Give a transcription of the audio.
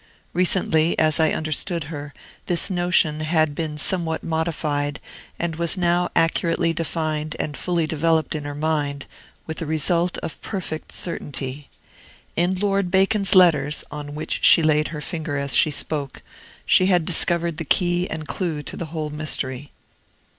Recently, as I understood her, this notion had been somewhat modified, and was now accurately defined and fully developed in her mind, with a result of perfect certainty. In Lord Bacon's letters, on which she laid her finger as she spoke, she had discovered the key and clew to the whole mystery.